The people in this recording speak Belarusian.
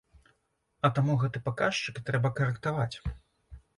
А таму гэты паказчык трэба карэктаваць.